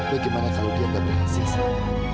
bagaimana kalau dia tidak berhasil